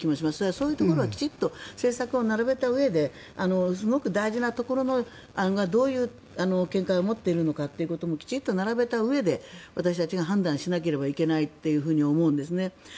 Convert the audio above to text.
そういうところはきちんと政策を並べたうえですごく大事なところのどういう見解を持っているのかをきちんと並べたうえで私たちが判断しなければいけないと思うんですね。